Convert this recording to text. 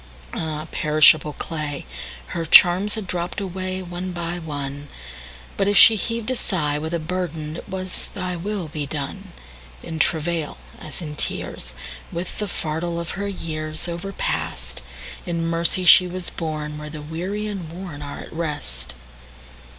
Ah, perishable clay! Her charms had dropp'd awayOne by one; But if she heav'd a sighWith a burden, it was, "ThyWill be done."In travail, as in tears, With the fardel of her yearsOverpast, In mercy she was borneWhere the weary and wornAre at rest.